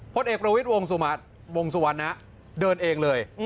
พลเอกประวิทย์วงสุวรรณะเดินเองเลย